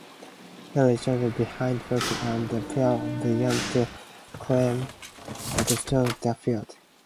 He rejoined behind Piquet and the pair began to climb through the field.